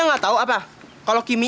enggak tahu apa kalau kimi